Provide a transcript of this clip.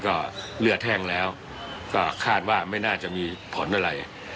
ก็เลือดแห้งแล้วก็คาดว่าไม่น่าจะมีผลอะไร